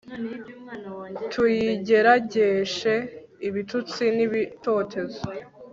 tuyigeragereshe ibitutsi n'ibitotezo